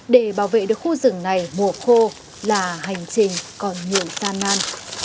để bảo vệ được khu rừng này mùa khô là hành trình còn nhiều gian nan